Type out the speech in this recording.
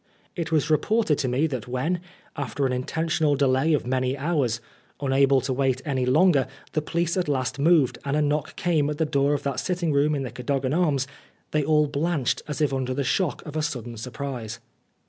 It was reported to me that when, after an intentional delay of many hours, unable to wait any longer, the police at last moved, and a knock came at the door of that sitting room in the Cadogan Arms, they all blanched as if under the shock of a 123 Oscar Wilde sudden surprise.